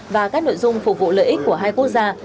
và các nội dung phục vụ lợi ích của hai quốc gia